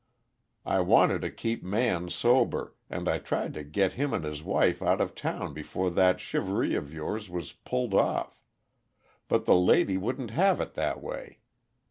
I wanted to keep Man sober, and I tried to get him and his wife out of town before that shivaree of yours was pulled off. But the lady wouldn't have it that way.